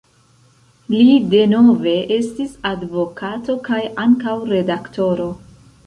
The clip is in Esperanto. Li denove estis advokato kaj ankaŭ redaktoro.